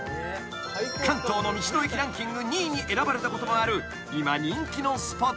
［関東の道の駅ランキング２位に選ばれたこともある今人気のスポット］